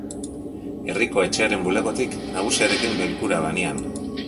Herriko etxearen bulegotik, nagusiarekin bilkura banian.